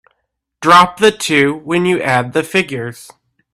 Drop the two when you add the figures.